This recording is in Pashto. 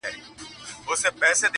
شپه اوږده او درنه وي تل-